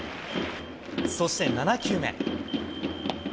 そして７球目。